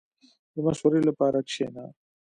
• د مشورې لپاره کښېنه.